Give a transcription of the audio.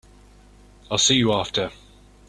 I'll see you after.